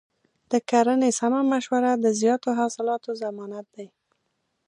د کرنې سمه مشوره د زیاتو حاصلاتو ضمانت دی.